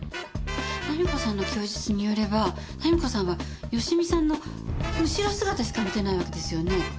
菜実子さんの供述によれば菜実子さんは芳美さんの後ろ姿しか見てないわけですよね。